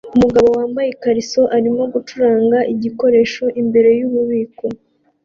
Umugabo wambaye ikariso arimo gucuranga igikoresho imbere yububiko